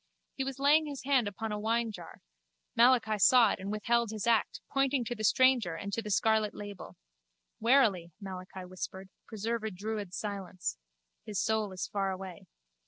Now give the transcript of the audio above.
He was laying his hand upon a winejar: Malachi saw it and withheld his act, pointing to the stranger and to the scarlet label. Warily, Malachi whispered, preserve a druid silence. His soul is far away.